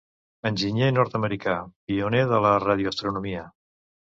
Enginyer nord-americà, pioner de la radioastronomia.